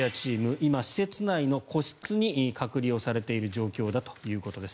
今、施設内の個室に隔離されている状況だということです。